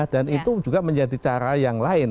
dan itu juga menjadi cara yang lain